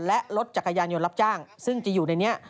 และรถจักรยานยนต์รับจ้างซึ่งจะอยู่ในนี้